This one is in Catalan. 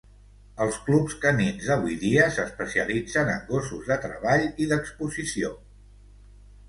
Els clubs canins d'avui dia s'especialitzen en gossos de treball i d'exposició.